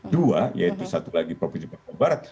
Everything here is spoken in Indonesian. dua yaitu satu lagi provinsi papua barat